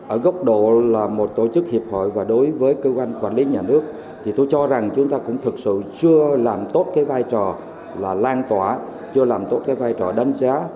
ở góc độ là một tổ chức hiệp hội và đối với cơ quan quản lý nhà nước thì tôi cho rằng chúng ta cũng thực sự chưa làm tốt cái vai trò là lan tỏa chưa làm tốt cái vai trò đánh giá